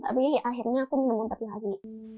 tapi akhirnya aku minum obat lagi